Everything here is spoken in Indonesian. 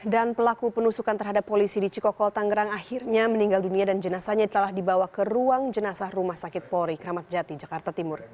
dan pelaku penusukan terhadap polisi di cikokol tangerang akhirnya meninggal dunia dan jenasanya telah dibawa ke ruang jenasah rumah sakit polori keramatjati jakarta timur